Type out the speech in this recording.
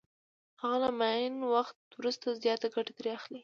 هغه له معین وخت وروسته زیاته ګټه ترې اخلي